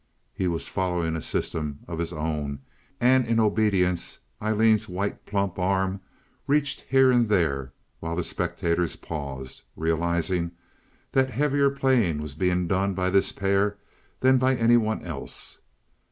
He was following a system of his own, and in obedience Aileen's white, plump arm reached here and there while the spectators paused, realizing that heavier playing was being done by this pair than by any one else.